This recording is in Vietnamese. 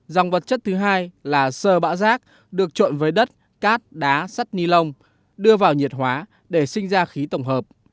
ròng vật chất thứ hai là sờ bã rác được trộn với đất cát đá sắt nilon đưa vào nhiệt hóa để sinh ra khí tổng hợp